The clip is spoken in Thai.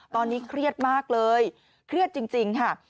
ตอนนี้เครียดมากเลยเครียดจริงค่ะ